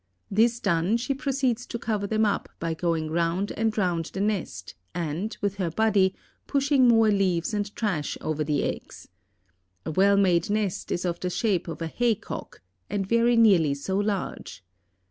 This done, she proceeds to cover them up by going round and round the nest and, with her body pushing more leaves and trash over the eggs. A well made nest is of the shape of a hay cock, and very nearly so large.